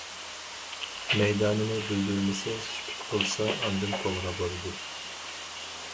مەيدانىنى بىلدۈرمىسە، سۈكۈت قىلسا ئاندىن توغرا بولىدۇ.